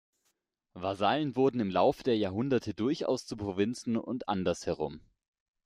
Vasallen wurden im Laufe der Jahrhunderte durchaus zu Provinzen und andersherum.